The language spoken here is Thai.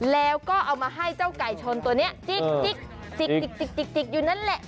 แล้วก็เอามาให้เจ้าไก่ชนตัวนี้จิ๊กจิกอยู่นั่นแหละ